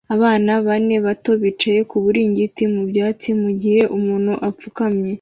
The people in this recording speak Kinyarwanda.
Abana bane bato bicaye ku kiringiti mu byatsi mugihe umuntu apfukamye